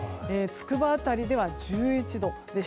つくば辺りでは１１度。